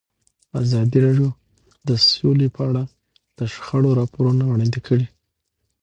ازادي راډیو د سوله په اړه د شخړو راپورونه وړاندې کړي.